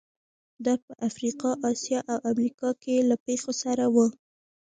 دا په افریقا، اسیا او امریکا کې له پېښو سره وو.